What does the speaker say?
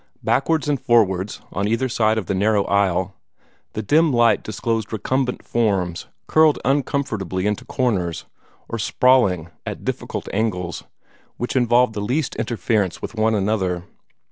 Backwards and forwards, on either side of the narrow aisle, the dim light disclosed recumbent forms, curled uncomfortably into corners, or sprawling at difficult angles which involved the least interference with one another.